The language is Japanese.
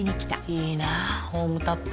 いいなホームタップ。